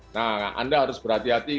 nah anda harus berhati hati